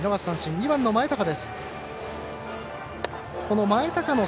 ２番の前高です。